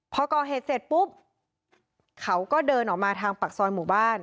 พอก่อเหตุเสร็จปุ๊บเขาก็เดินออกมาทางปากซอยหมู่บ้าน